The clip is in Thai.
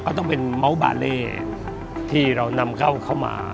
ต้องเป็นเมาส์บาเล่ที่เรานำเข้ามา